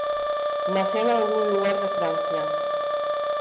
Nació en algún lugar de Francia.